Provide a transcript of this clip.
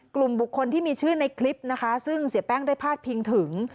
กลุ่มบุคคลที่มีชื่อในคลิปนะคะซึ่งเสียแป้งได้พาดพิงถึง